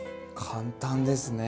簡単ですね！